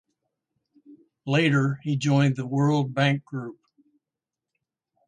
Later he joined the World Bank Group.